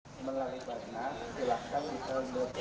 melalui badan silakan kita berbicara